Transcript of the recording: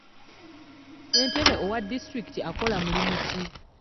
Ssentebe wa disitulikiti akola mulimu ki?